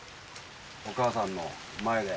お母さんの前で。